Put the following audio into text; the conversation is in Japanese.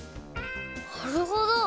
なるほど！